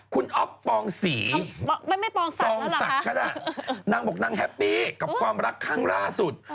คุณอ๊อฟปองศรีปองศักดิ์ก็ได้นางบอกนางแฮปปี้กับความรักครั้งล่าสุด